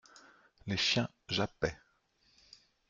Les chiens jappaient.